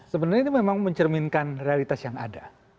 sebenarnya itu memang mencerminkan realitas yang ada